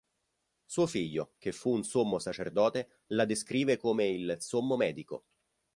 Suo figlio, che fu un Sommo Sacerdote, la descrive come "il Sommo Medico".